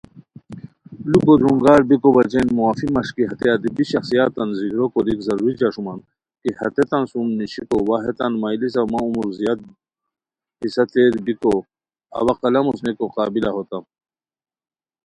ُلو بو درونگار بیکو بچین معافی مݰکی ہتے ادبی شخصیاتان ذکرو کوریک ضروری جاݰومان کی ہیتیتان سُم نیشیکو وا ہیتان میلسہ مہ عمرو زیاد حصہ تیر بیکین اوا قلم اوسنیئکو قابلہ ہوتام